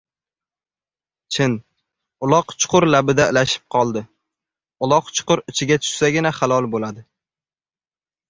Chin, uloq chuqur labida ilashib oldi. Uloq chuqur ichiga tushsagina halol bo‘ladi.